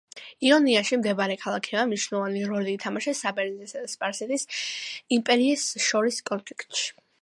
იონიაში მდებარე ქალაქებმა მნიშვნელოვანი როლი ითამაშეს საბერძნეთსა და სპარსეთის იმპერიას შორის კონფლიქტში.